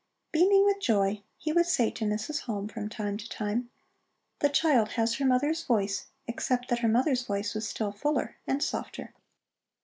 Beaming with joy, he would say to Mrs. Halm from time to time: "The child has her mother's voice, except that her mother's voice was still fuller and softer."